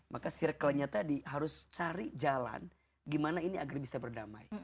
maka circle nya tadi harus cari jalan gimana ini agar bisa berdamai